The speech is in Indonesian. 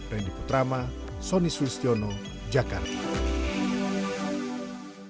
randy putrama sonny sulistiono jakarta